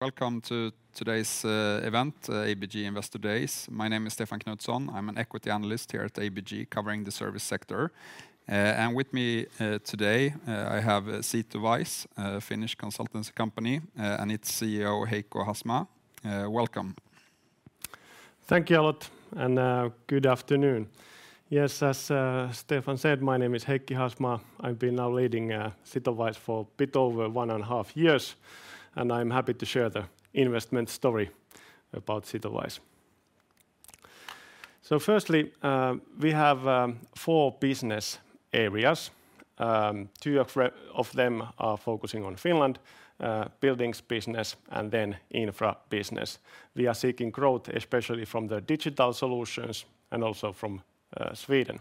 Welcome to today's event, ABG Investor Days. My name is Stefan Knutsson. I'm an equity analyst here at ABG, covering the service sector. With me today, I have Sitowise, a Finnish consultancy company, and its CEO, Heikki Haasmaa. Welcome. Thank you a lot, and, good afternoon. Yes, as, Stefan said, my name is Heikki Haasmaa. I've been now leading, Sitowise for a bit over one and a half years, and I'm happy to share the investment story about Sitowise. So firstly, we have, four business areas. Two of them are focusing on Finland, buildings business, and then infra business. We are seeking growth, especially from the digital solutions and also from, Sweden.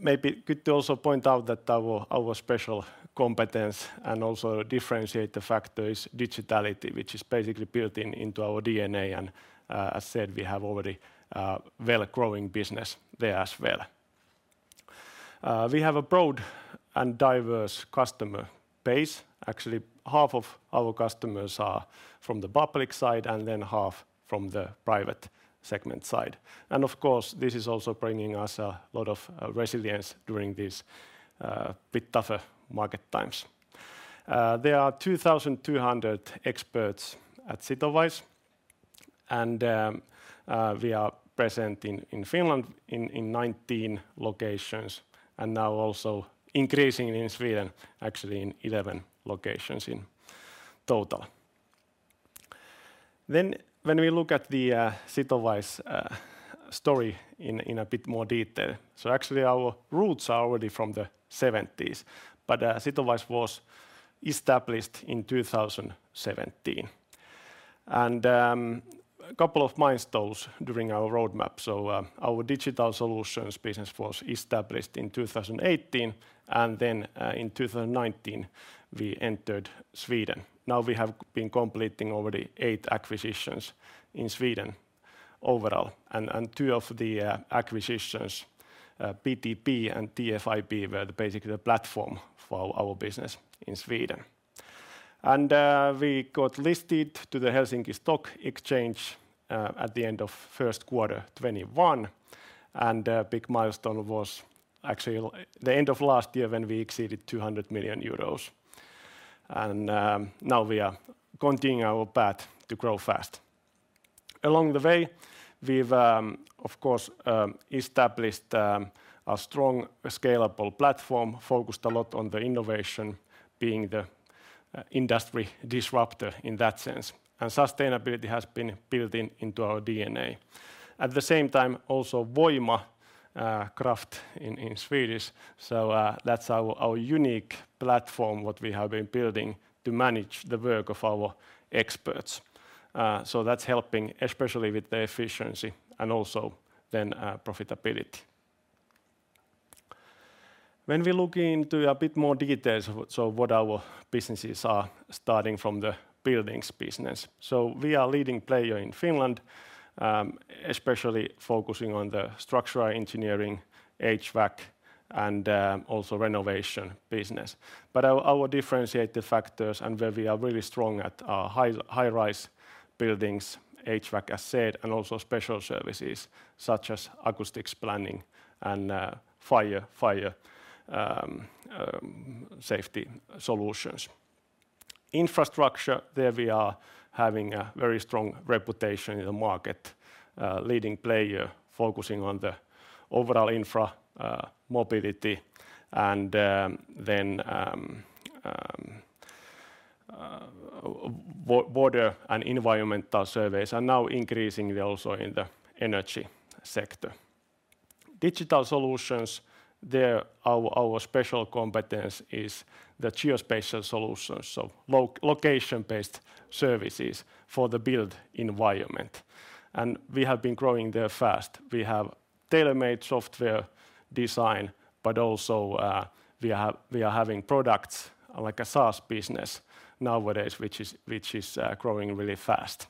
Maybe good to also point out that our special competence and also differentiate the factor is digitality, which is basically built in, into our DNA, and, as said, we have already, well growing business there as well. We have a broad and diverse customer base. Actually, half of our customers are from the public side, and then half from the private segment side. Of course, this is also bringing us a lot of resilience during these bit tougher market times. There are 2,200 experts at Sitowise, and we are present in Finland in 19 locations, and now also increasing in Sweden, actually in 11 locations in total. When we look at the Sitowise story in a bit more detail... Actually, our roots are already from the 1970s, but Sitowise was established in 2017. A couple of milestones during our roadmap: our digital solutions business was established in 2018, and then, in 2019, we entered Sweden. Now, we have been completing already eight acquisitions in Sweden overall, and two of the acquisitions, BTB and TFIP, were basically the platform for our business in Sweden. And we got listed to the Helsinki Stock Exchange at the end of Q1 2021, and a big milestone was actually the end of last year when we exceeded 200 million euros. And now we are continuing our path to grow fast. Along the way, we've of course established a strong, scalable platform, focused a lot on the innovation, being the industry disruptor in that sense, and sustainability has been built in, into our DNA. At the same time, also Voima, craft in Swedish, so that's our unique platform, what we have been building to manage the work of our experts. So that's helping, especially with the efficiency and also then, profitability. When we look into a bit more details, so what our businesses are, starting from the buildings business. So we are leading player in Finland, especially focusing on the structural engineering, HVAC, and, also renovation business. But our differentiated factors and where we are really strong at are high-rise buildings, HVAC, as said, and also special services such as acoustics planning and fire safety solutions. Infrastructure, there we are having a very strong reputation in the market, leading player, focusing on the overall infra, mobility, and then water and environmental surveys, and now increasingly also in the energy sector. Digital Solutions, there our special competence is the Geospatial Solutions, so location-based services for the built environment, and we have been growing there fast. We have tailor-made software design, but also, we are having products like a SaaS business nowadays, which is growing really fast,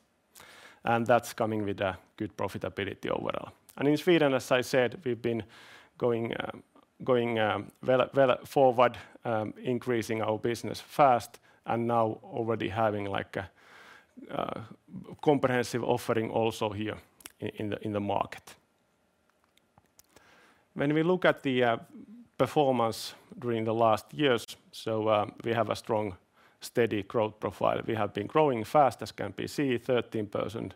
and that's coming with a good profitability overall. And in Sweden, as I said, we've been going well forward, increasing our business fast, and now already having like a comprehensive offering also here in the market. When we look at the performance during the last years, so we have a strong, steady growth profile. We have been growing fast, as can be seen, 13%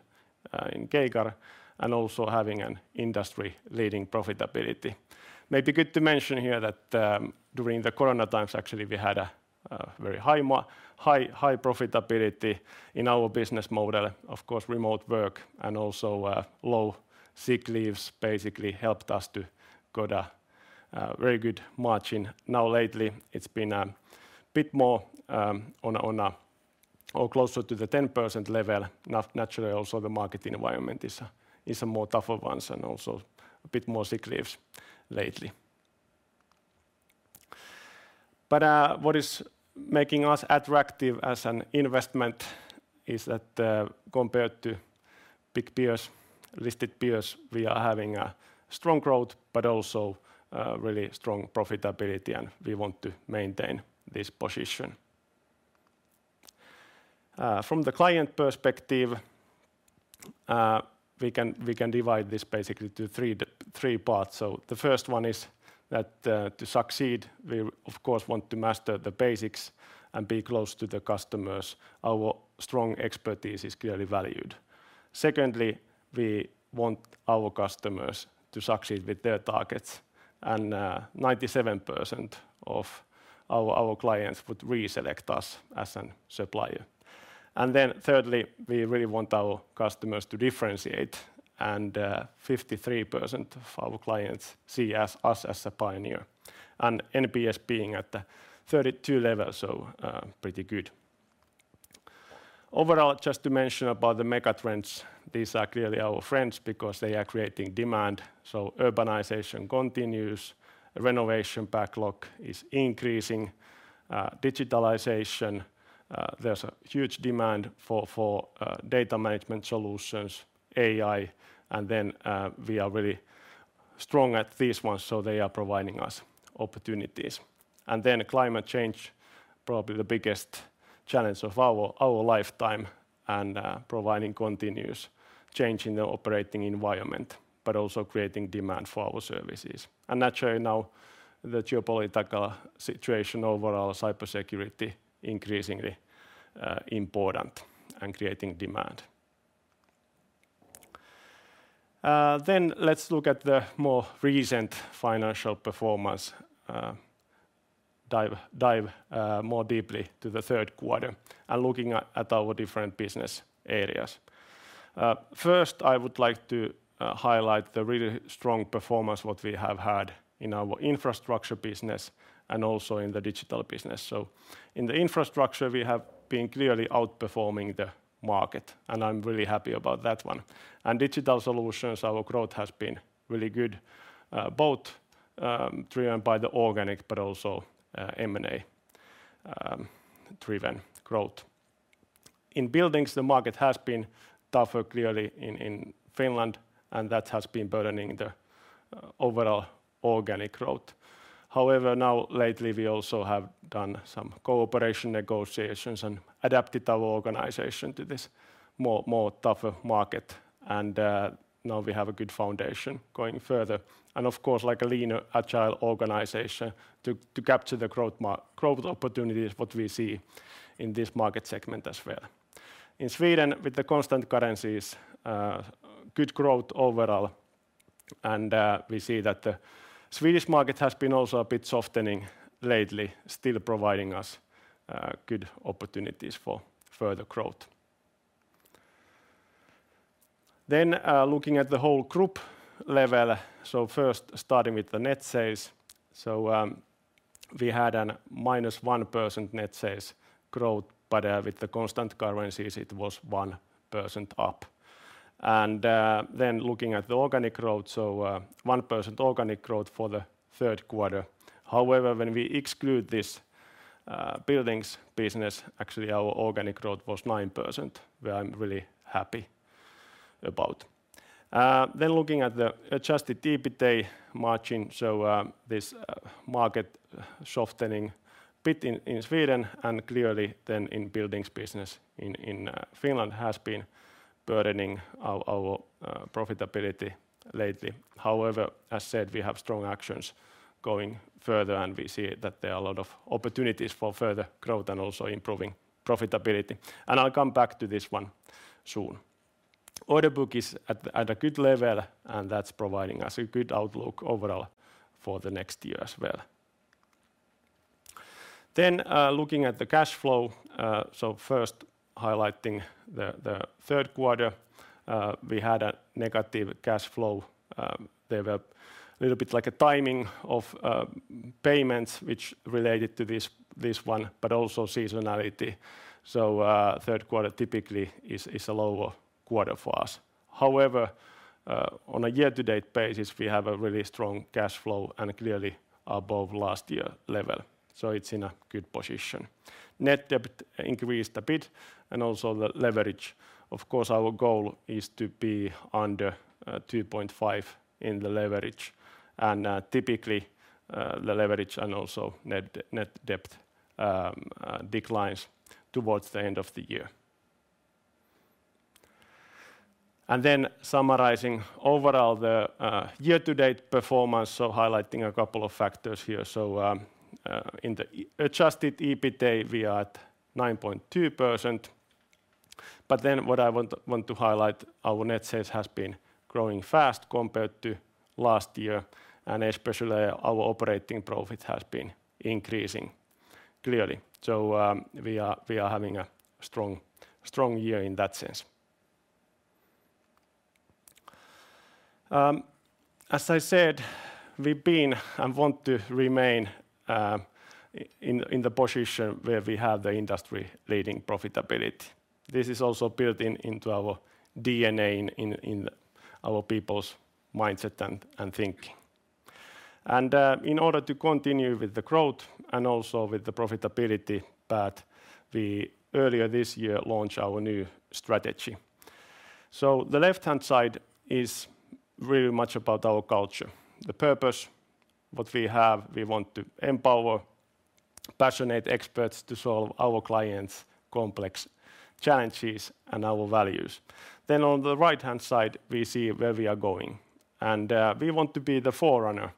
in CAGR, and also having an industry-leading profitability. Maybe good to mention here that, during the corona times, actually, we had a very high profitability in our business model. Of course, remote work and also low sick leaves basically helped us to get a very good margin. Now, lately, it's been a bit more or closer to the 10% level. Naturally, also, the market environment is a more tougher ones and also a bit more sick leaves lately. But what is making us attractive as an investment is that, compared to big peers, listed peers, we are having a strong growth, but also really strong profitability, and we want to maintain this position. From the client perspective, we can divide this basically into three parts. So the first one is that, to succeed, we of course want to master the basics and be close to the customers. Our strong expertise is clearly valued. Secondly, we want our customers to succeed with their targets, and 97% of our clients would reselect us as a supplier. And then thirdly, we really want our customers to differentiate, and 53% of our clients see us as a pioneer, and NPS being at the 32 level, so pretty good. Overall, just to mention about the megatrends, these are clearly our friends because they are creating demand. So urbanization continues, renovation backlog is increasing, digitalization, there's a huge demand for data management solutions, AI, and then we are really strong at these ones, so they are providing us opportunities. And then climate change, probably the biggest challenge of our lifetime, and providing continuous change in the operating environment, but also creating demand for our services. And naturally, now, the geopolitical situation overall, cybersecurity, increasingly important and creating demand. Then let's look at the more recent financial performance, dive more deeply to the Q3 and looking at our different business areas. First, I would like to highlight the really strong performance what we have had in our Infrastructure business and also in the Digital business. So in the Infrastructure, we have been clearly outperforming the market, and I'm really happy about that one. And Digital Solutions, our growth has been really good, both driven by the organic, but also, M&A driven growth. In buildings, the market has been tougher, clearly in Finland, and that has been burdening the overall organic growth. However, now, lately, we also have done some cooperation negotiations and adapted our organization to this more tougher market, and now we have a good foundation going further. And of course, like a lean, agile organization, to capture the growth opportunities, what we see in this market segment as well. In Sweden, with the constant currencies, good growth overall, and we see that the Swedish market has been also a bit softening lately, still providing us good opportunities for further growth. Then, looking at the whole group level, so first, starting with the net sales. So, we had a -1% net sales growth, but with the constant currencies, it was 1% up. And, then looking at the organic growth, so, 1% organic growth for the Q3. However, when we exclude this buildings business, actually, our organic growth was 9%, where I'm really happy about. Then looking at the Adjusted EBITDA margin, so, this market softening bit in Sweden and clearly then in buildings business in Finland has been burdening our profitability lately. However, as said, we have strong actions going further, and we see that there are a lot of opportunities for further growth and also improving profitability. And I'll come back to this one soon. Order book is at a good level, and that's providing us a good outlook overall for the next year as well. Then, looking at the cash flow, so first highlighting the Q3, we had a negative cash flow. There were a little bit like a timing of payments, which related to this one, but also seasonality. So, Q3 typically is a lower quarter for us. However, on a year-to-date basis, we have a really strong cash flow and clearly above last year level, so it's in a good position. Net debt increased a bit and also the leverage. Of course, our goal is to be under 2.5 in the leverage, and typically, the leverage and also net debt declines towards the end of the year. And then summarizing overall the year-to-date performance, so highlighting a couple of factors here. In the adjusted EBITDA, we are at 9.2%. But then what I want to highlight, our net sales has been growing fast compared to last year, and especially our operating profit has been increasing clearly. We are having a strong year in that sense. As I said, we've been and want to remain in the position where we have the industry-leading profitability. This is also built into our DNA, in our people's mindset and thinking. And in order to continue with the growth and also with the profitability, that we earlier this year launched our new strategy. So the left-hand side is really much about our culture. The purpose, what we have, we want to empower passionate experts to solve our clients' complex challenges and our values. Then on the right-hand side, we see where we are going. And we want to be the forerunner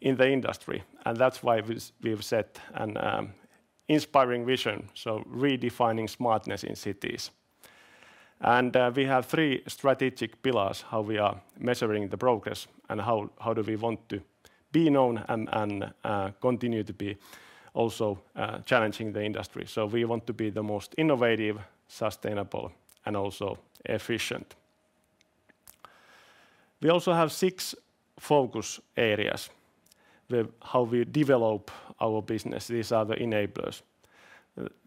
in the industry, and that's why we've set an inspiring vision, so redefining smartness in cities. And we have three strategic pillars, how we are measuring the progress and how do we want to be known and continue to be also challenging the industry. So we want to be the most innovative, sustainable, and also efficient. We also have six focus areas, with how we develop our business. These are the enablers.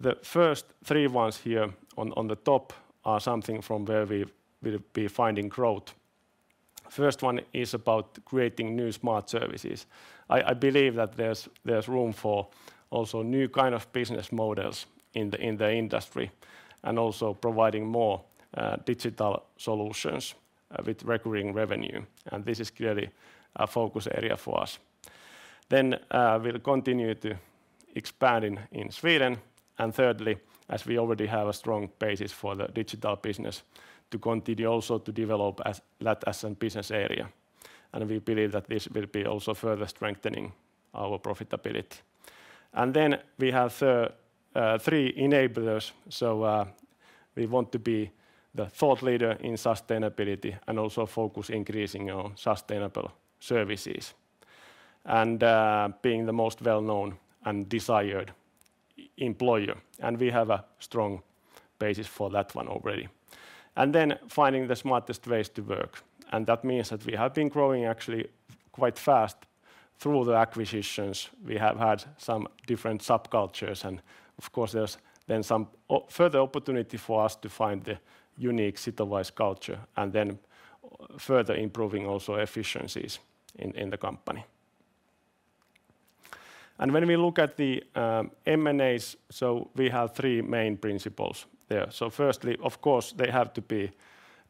The first three ones here on the top are something from where we'll be finding growth. First one is about creating new smart services. I believe that there's room for also new kind of business models in the industry, and also providing more digital solutions with recurring revenue, and this is clearly a focus area for us. Then we'll continue to expand in Sweden, and thirdly, as we already have a strong basis for the digital business, to continue also to develop that as a business area. And we believe that this will be also further strengthening our profitability. And then we have three enablers. So we want to be the thought leader in sustainability and also focus increasing on sustainable services and being the most well-known and desired employer, and we have a strong basis for that one already. And then finding the smartest ways to work, and that means that we have been growing actually quite fast through the acquisitions. We have had some different subcultures, and of course, there's then some further opportunity for us to find the unique Sitowise culture, and then further improving also efficiencies in the company. When we look at the M&As, we have three main principles there. Firstly, of course, they have to be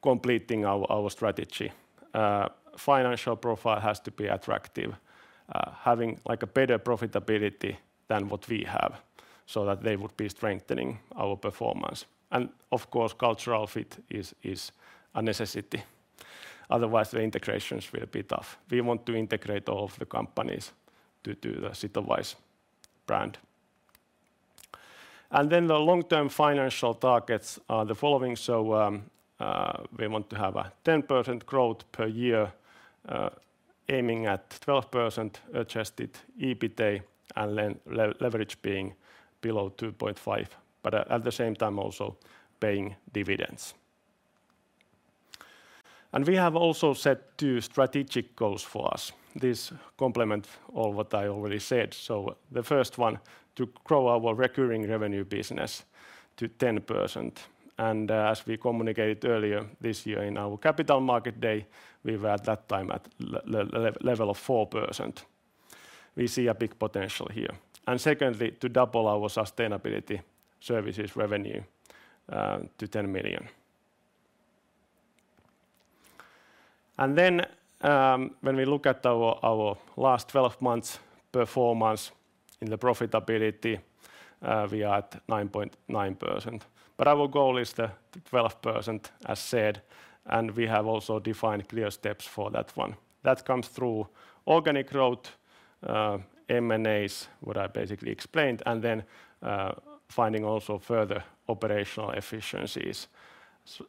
completing our strategy. Financial profile has to be attractive, having, like, a better profitability than what we have, so that they would be strengthening our performance. And of course, cultural fit is a necessity. Otherwise, the integrations will be tough. We want to integrate all of the companies to do the Sitowise brand. And then the long-term financial targets are the following: We want to have a 10% growth-per-year, aiming at 12% adjusted EBITDA, and then leverage being below 2.5, but at the same time, also paying dividends. We have also set two strategic goals for us. This complement all what I already said. The first one, to grow our recurring revenue business to 10%. And as we communicated earlier this year in our capital market day, we were at that time at level of 4%. We see a big potential here. And secondly, to double our sustainability services revenue to EUR 10 million. And then, when we look at our last 12 months' performance in the profitability, we are at 9.9%. But our goal is the 12%, as said, and we have also defined clear steps for that one. That comes through organic growth, M&As, what I basically explained, and then, finding also further operational efficiencies,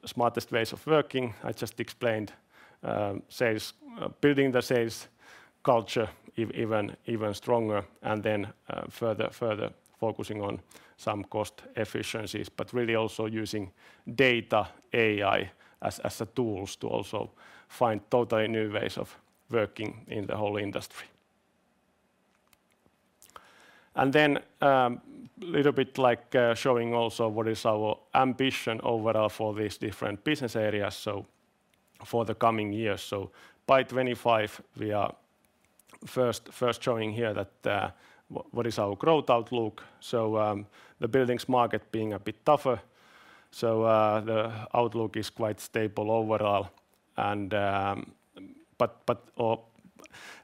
smartest ways of working. I just explained, sales, building the sales culture even stronger, and then, further focusing on some cost efficiencies, but really also using data, AI, as a tools to also find totally new ways of working in the whole industry. And then, little bit like, showing also what is our ambition overall for these different business areas, so for the coming years. So by 2025, we are first showing here that, what is our growth outlook, so, the buildings market being a bit tougher, so, the outlook is quite stable overall, and... But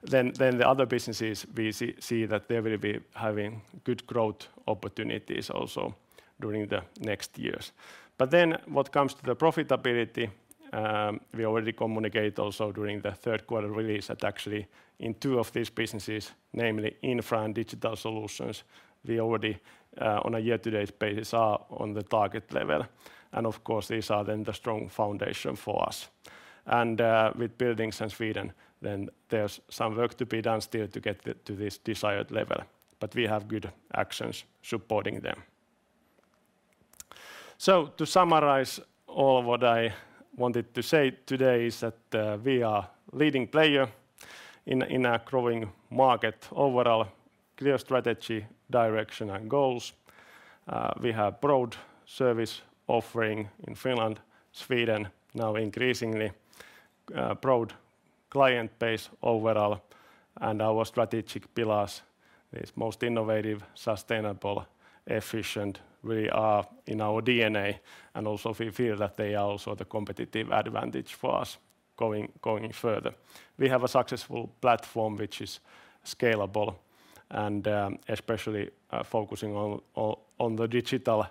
then the other businesses, we see that they will be having good growth opportunities also during the next years. But then, what comes to the profitability, we already communicate also during the Q3 release, that actually in two of these businesses, namely Infra and Digital Solutions, we already on a year-to-date basis, are on the target level. And of course, these are then the strong foundation for us. And with Buildings and Sweden, then there's some work to be done still to get to this desired level, but we have good actions supporting them. So to summarize all of what I wanted to say today, is that we are leading player in a growing market overall, clear strategy, direction, and goals. We have broad service offering in Finland, Sweden, now increasingly broad client base overall. Our strategic pillars are the most innovative, sustainable, efficient we are in our DNA, and also we feel that they are also the competitive advantage for us going further. We have a successful platform which is scalable and especially focusing on the digital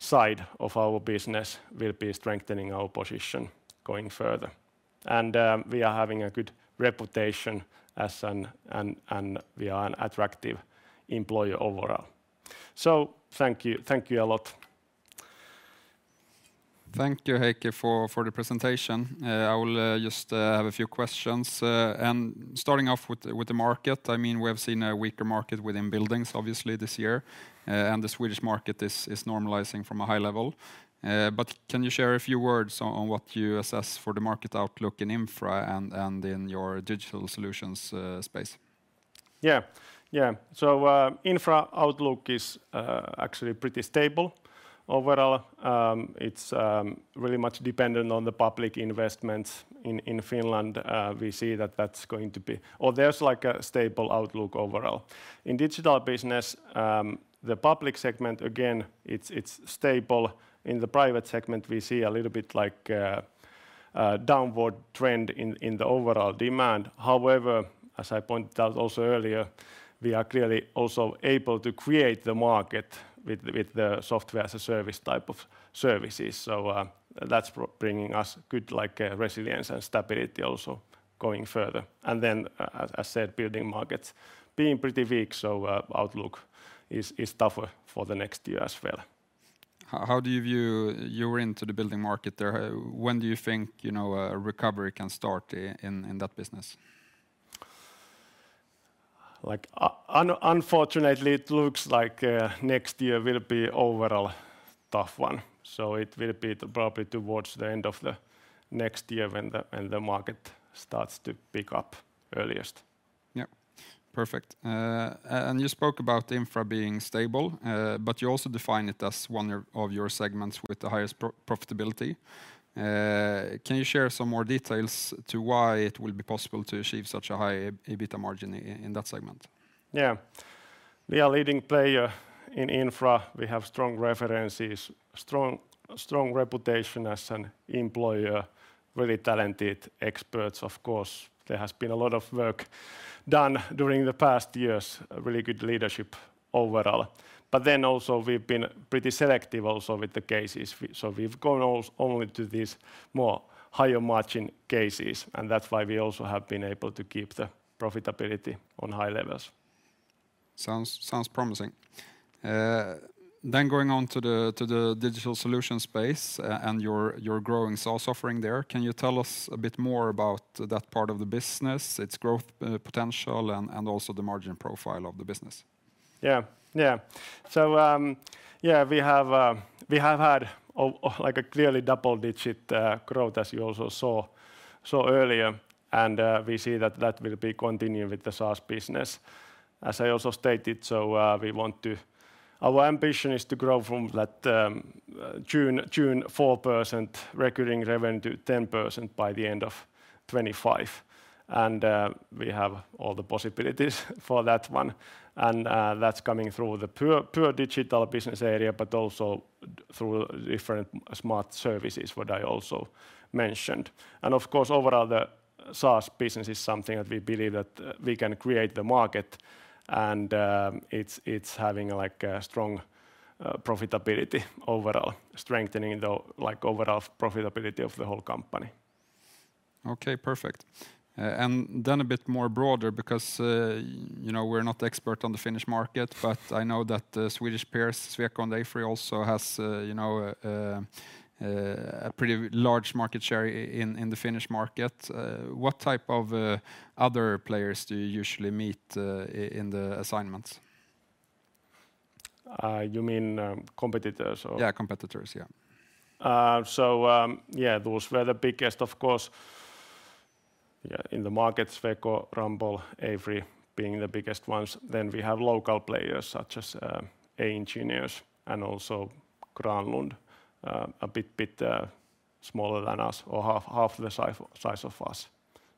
side of our business will be strengthening our position going further. And we are having a good reputation as an attractive employer overall. So thank you. Thank you a lot. Thank you, Heikki, for the presentation. I will just have a few questions. Starting off with the market, I mean, we have seen a weaker market within Buildings, obviously, this year, and the Swedish market is normalizing from a high level. But can you share a few words on what you assess for the market outlook in Infra and in your Digital Solutions space? Yeah, yeah. So, Infra outlook is actually pretty stable overall. It's really much dependent on the public investments in Finland. We see that that's going to be... Or there's, like, a stable outlook overall. In digital business, the public segment, again, it's stable. In the private segment, we see a little bit like a downward trend in the overall demand. However, as I pointed out also earlier, we are clearly also able to create the market with the software as a service type of services. So, that's bringing us good, like, resilience and stability also going further. And then, as said, building markets being pretty weak, so, outlook is tougher for the next year as well. How do you view... You're into the building market there. When do you think, you know, a recovery can start, in, in that business? Like, unfortunately, it looks like next year will be overall a tough one, so it will be probably towards the end of the next year when the market starts to pick up earliest. Yeah. Perfect. And you spoke about Infra being stable, but you also define it as one of your segments with the highest profitability. Can you share some more details to why it will be possible to achieve such a high EBITDA margin in that segment? Yeah. We are a leading player in Infra. We have strong references, strong, strong reputation as an employer, really talented experts. Of course, there has been a lot of work done during the past years, really good leadership overall. But then also we've been pretty selective also with the cases. So we've gone only to these more higher-margin cases, and that's why we also have been able to keep the profitability on high levels. Sounds promising. Then going on to the digital solution space, and your growing SaaS offering there, can you tell us a bit more about that part of the business, its growth potential, and also the margin profile of the business? Yeah, yeah. So, yeah, we have had a, like, a clearly double-digit growth, as you also saw earlier, and we see that that will be continuing with the SaaS business. As I also stated, so, we want to... Our ambition is to grow from that current 4% recurring revenue to 10% by the end of 2025, and we have all the possibilities for that one. And that's coming through the pure digital business area, but also through different smart services, what I also mentioned. And of course, overall, the SaaS business is something that we believe that we can create the market, and it's having, like, a strong profitability overall, strengthening the, like, overall profitability of the whole company. Okay, perfect. And then a bit more broader, because, you know, we're not expert on the Finnish market, but I know that the Swedish peers, Sweco and AFRY, also has, you know, a pretty large market share in the Finnish market. What type of other players do you usually meet in the assignments? You mean, competitors or? Yeah, competitors. Yeah. So, those were the biggest, of course, in the markets, Sweco, Ramboll, AFRY being the biggest ones. Then we have local players such as A-Insinöörit and also Granlund, a bit smaller than us or half the size of us.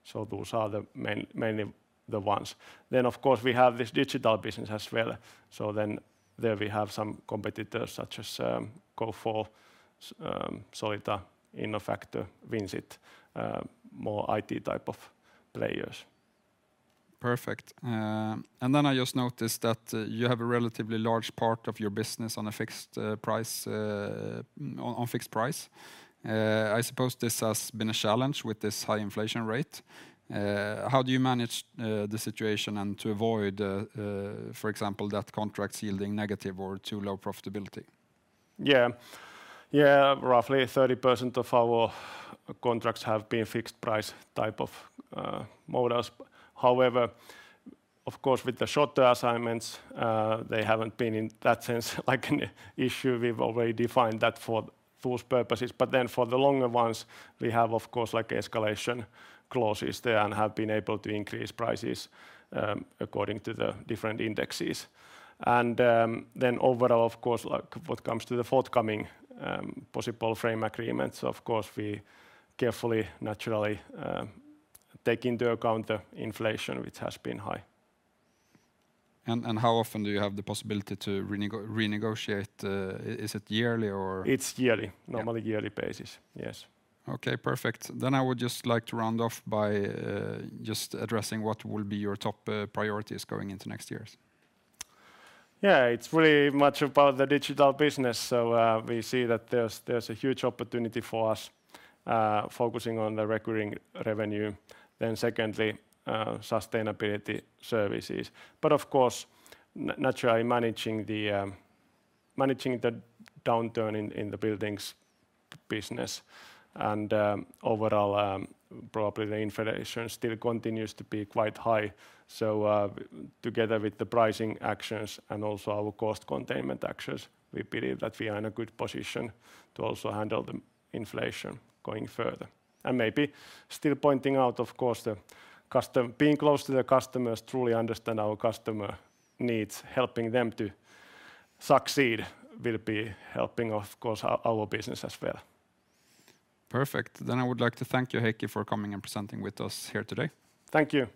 So those are mainly the ones. Then, of course, we have this digital business as well. So then there we have some competitors such as Gofore, Solita, Innofactor, Vincit, more IT type of players. Perfect. And then I just noticed that you have a relatively large part of your business on a fixed price, on fixed price. I suppose this has been a challenge with this high inflation rate. How do you manage the situation and to avoid, for example, that contracts yielding negative or too low profitability? Yeah. Yeah, roughly 30% of our contracts have been fixed price type of models. However, of course, with the shorter assignments, they haven't been, in that sense, like an issue. We've already defined that for those purposes. But then for the longer ones, we have, of course, like, escalation clauses there and have been able to increase prices according to the different indexes. And then overall, of course, like, what comes to the forthcoming possible frame agreements, of course, we carefully, naturally, take into account the inflation, which has been high. How often do you have the possibility to renegotiate? Is it yearly or? It's yearly. Yeah. Normally yearly basis. Yes. Okay, perfect. Then I would just like to round off by just addressing what will be your top priorities going into next years? Yeah, it's pretty much about the digital business. So, we see that there's a huge opportunity for us, focusing on the recurring revenue. Then secondly, sustainability services. But of course, naturally managing the downturn in the buildings business and overall, probably the inflation still continues to be quite high. So, together with the pricing actions and also our cost containment actions, we believe that we are in a good position to also handle the inflation going further. And maybe still pointing out, of course, the customer being close to the customers, truly understand our customer needs, helping them to succeed will be helping, of course, our business as well. Perfect. Then I would like to thank you, Heikki, for coming and presenting with us here today. Thank you.